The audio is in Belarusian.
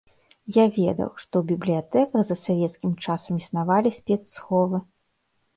Я ведаў, што ў бібліятэках за савецкім часам існавалі спецсховы.